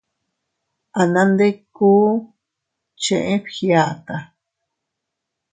Anandikkuu cheʼé Fgiata.